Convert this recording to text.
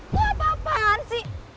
kau apa apaan sih